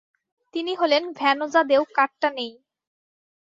তিনি হলেন ভ্যানোজা দেউ কাট্টানেই।